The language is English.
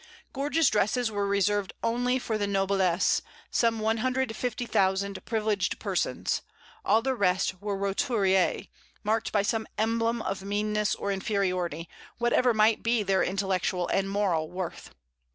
Gorgeous dresses were reserved only for the noblesse, some one hundred and fifty thousand privileged persons; all the rest were roturiers, marked by some emblem of meanness or inferiority, whatever might be their intellectual and moral worth.